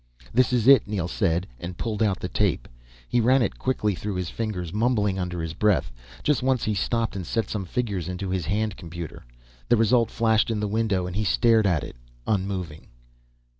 "This is it," Neel said, and pulled out the tape. He ran it quickly through his fingers, mumbling under his breath. Just once he stopped and set some figures into his hand computer. The result flashed in the window and he stared at it, unmoving.